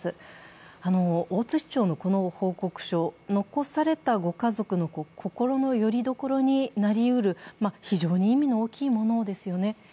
大槌町のこの報告書、残されたご家族の心のよりどころになりうる、非常に意味の大きいものですよね。